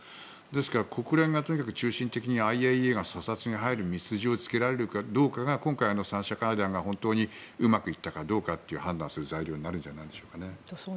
ですから、国連が中心的にＩＡＥＡが査察に入る道筋を立てられるかどうかが今回の３者会談が本当にうまくいったかどうか判断する材料になるんじゃないでしょうかね。